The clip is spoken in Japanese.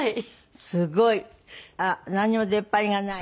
すごい。何も出っ張りがない。